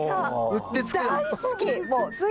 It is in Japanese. うってつけだ。